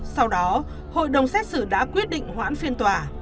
sau đó hội đồng xét xử đã quyết định hoãn phiên tòa